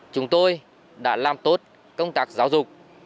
chúng tôi đã làm tốt công tác giáo dục